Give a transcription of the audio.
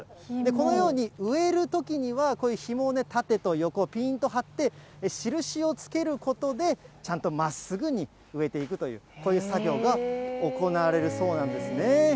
このように、植えるときにはこういうひもを、縦と横、ぴーんと張って、印をつけることで、ちゃんとまっすぐに植えていくという、こういう作業が行われるそうなんですね。